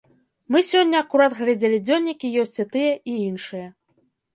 Мы сёння акурат глядзелі дзённікі, ёсць і тыя, і іншыя.